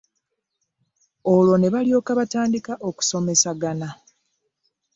Olwo ne balyoka batandika okusomesagana.